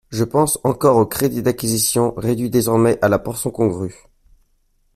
Je pense encore aux crédits d’acquisition, réduits désormais à la portion congrue.